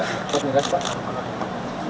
terima kasih pak